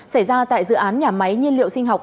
xảy ra tại dự án nhà máy nhiên liệu sinh học